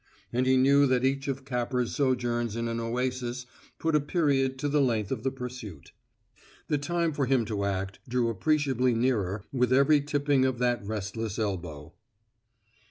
And he knew that each of Capper's sojourns in an oasis put a period to the length of the pursuit. The time for him to act drew appreciably nearer with every tipping of that restless elbow.